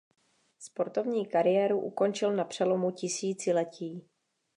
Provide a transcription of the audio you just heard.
Sportovní kariéru ukončil na přelomu tisíciletí.